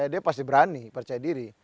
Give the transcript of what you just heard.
dia pasti berani percaya diri